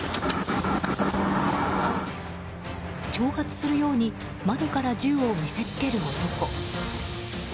挑発するように窓から銃を見せつける男。